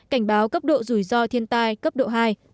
cảnh báo cấp độ rủi ro thiên tai cấp độ hai